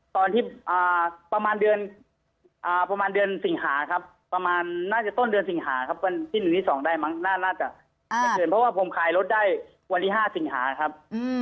ประมาณเดือนประมาณเดือนสิงหาครับประมาณน่าจะต้นเดือนสิงหาครับวันที่๑ที่๒ได้มั้งน่าจะ๗เดือนเพราะว่าผมขายรถได้วันที่๕สิงหาครับ